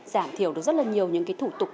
giảm thiểu được rất nhiều thủ tục